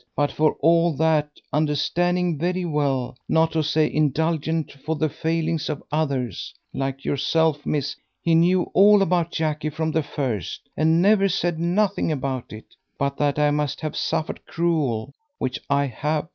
But for all that, understanding very well, not to say indulgent for the failings of others, like yourself, miss. He knew all about Jackie from the first, and never said nothing about it, but that I must have suffered cruel, which I have.